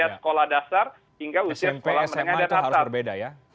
sekolah dasar hingga usia sekolah merenggak dan atas